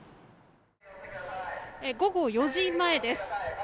午後４時前です。